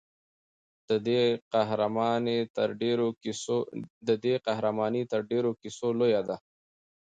د دې قهرماني تر ډېرو کیسو لویه ده.